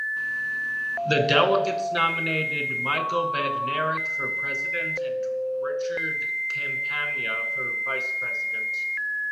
The delegates nominated Michael Badnarik for president and Richard Campagna for vice president.